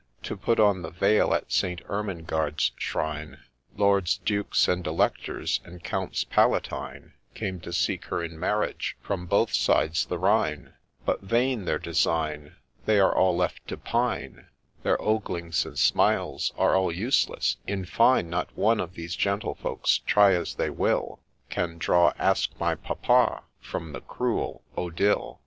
To put on the veil at St. Ertnengarde's shrine. — Lords, Dukes, and Electors, and Counts Palatine Came to seek her in marriage from both sides the Rhine ; But vain their design, They are all left to pine, Their oglings and smiles are all useless ; in fine Not one of these gentlefolks, try as they will, Can draw, ' Ask my papa ' frora the cruel Odille.